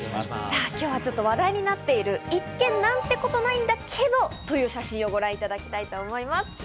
さぁ、今日はちょっと話題になっている一見なんてことないんだけどという写真をご覧いただきたいと思います。